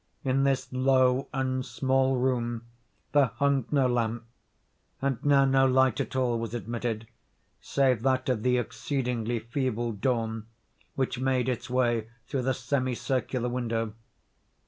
In this low and small room there hung no lamp; and now no light at all was admitted, save that of the exceedingly feeble dawn which made its way through the semi circular window.